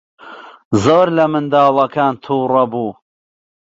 زۆر لە منداڵەکان تووڕە بوو.